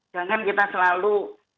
jangan kita selalu